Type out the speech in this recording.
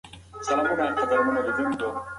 شکر وباسئ.